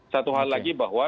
satu hal lagi bahwa